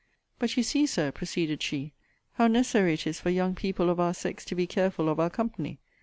But you see, Sir, proceeded she, how necessary it is for young people of our sex to be careful of our company.